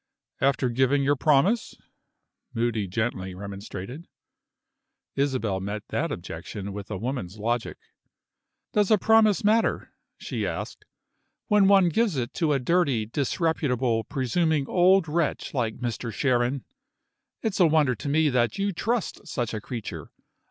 "After giving your promise?" Moody gently remonstrated. Isabel met that objection with a woman's logic. "Does a promise matter?" she asked, "when one gives it to a dirty, disreputable, presuming old wretch like Mr. Sharon? It's a wonder to me that you trust such a creature.